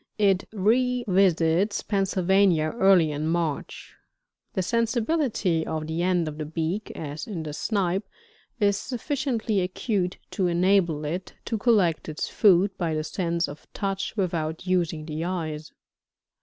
It revisits Pennsylvania early in March. The sensibility of the end of the beak, as in the Snipe, is sufficiently acute to enable it to collect its food by the sense of touch without using the eyes.